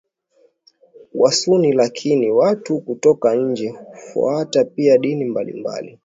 Wasuni lakini watu kutoka nje hufuata pia dini mbalimbali